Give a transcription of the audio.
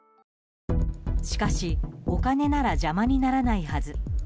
しかし、お金なら邪魔にならないはず。